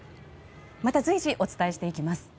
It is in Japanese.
また随時、お伝えしていきます。